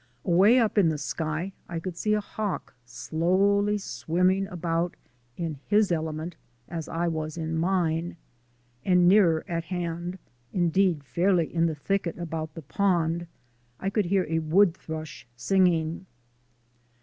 Away up in the sky I could see a hawk slowly swimming about (in his element as I was in mine), and nearer at hand, indeed fairly in the thicket about the pond, I could hear a wood thrush singing.